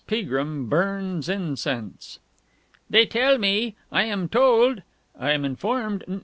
PEAGRIM BURNS INCENSE "They tell me ... I am told ... I am informed